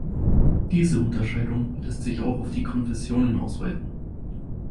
Diese Unterscheidung lässt sich auch auf die Konfessionen ausweiten.